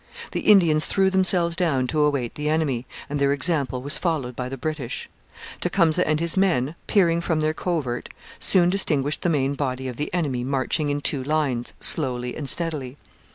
The Indians threw themselves down to await the enemy, and their example was followed by the British. Tecumseh and his men, peering from their covert, soon distinguished the main body of the enemy marching in two lines, slowly and steadily.